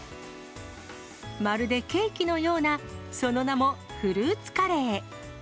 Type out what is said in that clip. まるでケーキのような、その名もフルーツカレー。